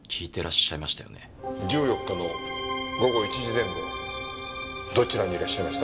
１４日の午後１時前後どちらにいらっしゃいました？